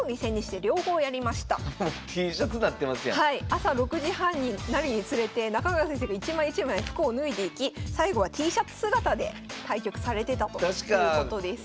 朝６時半になるにつれて中川先生が一枚一枚服を脱いでいき最後はＴシャツ姿で対局されてたということです。